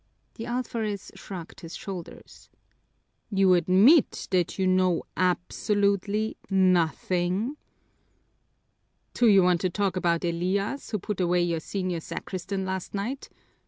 The alferez shrugged his shoulders. "You admit that you know absolutely nothing?" "Do you want to talk about Elias, who put away your senior sacristan last night?"